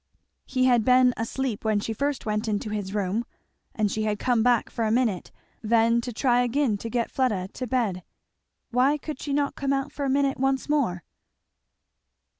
He had been asleep when she first went into his room, and she had come back for a minute then to try again to get Fleda to bed; why could she not come out for a minute once more.